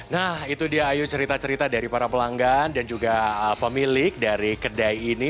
nah itu dia ayu cerita cerita dari para pelanggan dan juga pemilik dari kedai ini